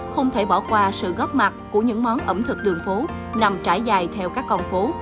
không thể bỏ qua sự góp mặt của những món ẩm thực đường phố nằm trải dài theo các con phố